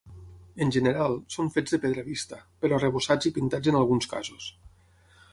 En general, són fets de pedra vista, però arrebossats i pintats en alguns casos.